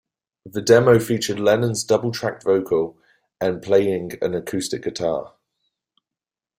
The demo featured Lennon's double-tracked vocal and playing an acoustic guitar.